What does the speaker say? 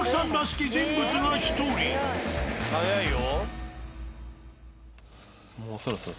早いよ。